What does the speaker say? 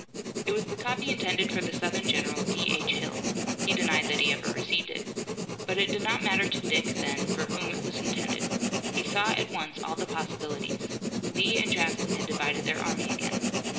It was the copy intended for the Southern general, D. H. Hill he denied that he ever received it but it did not matter to Dick then for whom it was intended. He saw at once all the possibilities. Lee and Jackson had divided their army again.